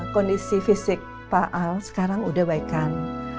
kondisi fisik pak al sekarang udah baik kan